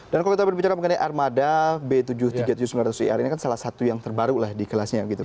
dan kalau kita berbicara mengenai armada b tujuh ratus tiga puluh tujuh sembilan ratus er ini kan salah satu yang terbaru lah di kelasnya gitu kan